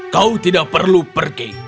kau tidak perlu pergi